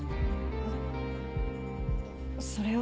えっそれは。